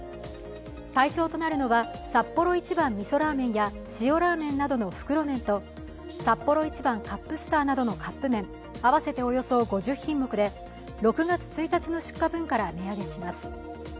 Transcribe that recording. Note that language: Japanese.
対象となるのはサッポロ一番みそラーメンや塩らーめんなどの袋麺とサッポロ一番カップスターなどのカップ麺、合わせておよそ５０品目で６月１日の出荷分から値上げします。